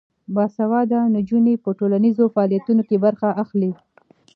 باسواده نجونې په ټولنیزو فعالیتونو کې برخه اخلي.